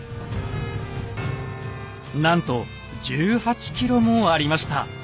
なんと１８ｋｇもありました。